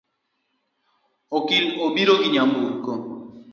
Okil obiro gi nyamburko